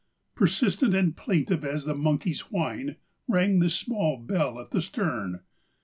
Persistent and plaintive as the monkey's whine rang the small bell at the stern.